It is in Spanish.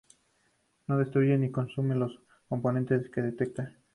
No destruyen ni consumen los componentes que detectan.